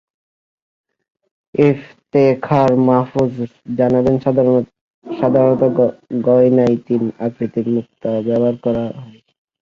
ইফতেখার মাহফুজ জানালেন, সাধারণত গয়নায় তিন আকৃতির মুক্তার ব্যবহার করা হয়।